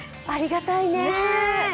ありがたいね。